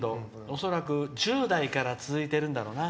恐らく１０代から続いてるんだろうな。